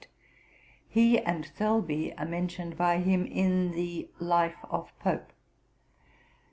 He and Thirlby are mentioned by him in the _Life of Pope.